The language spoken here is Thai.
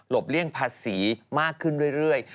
เลี่ยงภาษีมากขึ้นเรื่อย